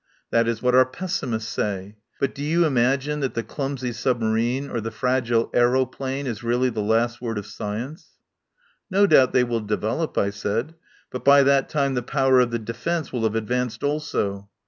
That is what our pessimists say. But do you imagine that the clumsy submarine or the fra gile aeroplane is really the last word of sci ence ?" "No doubt they will develop," I said, "but by that time the power of the defence will have advanced also."